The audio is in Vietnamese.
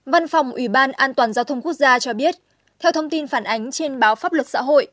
văn phòng ủy ban an toàn giao thông quốc gia cho biết theo thông tin phản ánh trên báo pháp luật xã hội